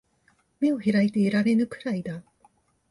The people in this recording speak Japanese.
眼を開いていられぬくらいだ